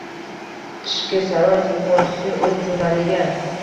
Qishki saroy telefonchisi o‘z jurnaliga: